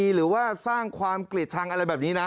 หรือว่าสร้างความเกลียดชังอะไรแบบนี้นะ